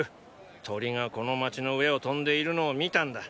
鳥がこの街の上を飛んでいるのを見たんだ！！